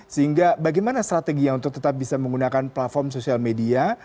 sehingga bagaimana strateginya untuk tetap bisa menggunakan platform sosial media